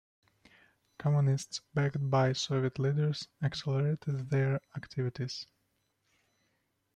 Communists, backed by Soviet leaders, accelerated their activities.